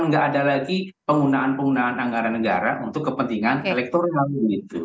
nggak ada lagi penggunaan penggunaan anggaran negara untuk kepentingan elektoral